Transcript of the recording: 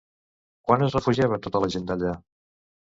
Quan es refugiava tota la gent d'allà?